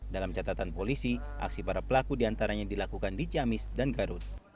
dalam catatan polisi aksi para pelaku diantaranya dilakukan di ciamis dan garut